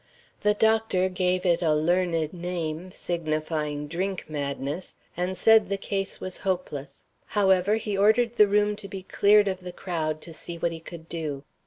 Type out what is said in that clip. The doctor gave it a learned name, signifying drink madness, and said the case was hopeless. However, he ordered the room to be cleared of the crowd to see what he could do.